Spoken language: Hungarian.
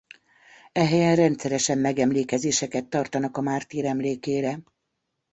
E helyen rendszeresen megemlékezéseket tartanak a mártír emlékére.